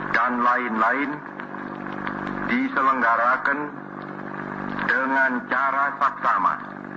dan lain lain diselenggarakan dengan cara saksama